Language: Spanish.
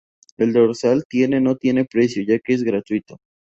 El dorsal tiene no tiene precio ya que es gratuito.